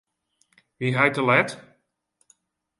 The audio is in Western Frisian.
Wie hy te let?